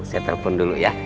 saya telepon dulu ya